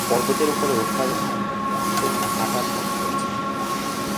পর্বতের উপরে ওঠার জন্য হাঁটার পথ রয়েছে।